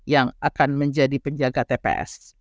yang akan menjadi penjaga tps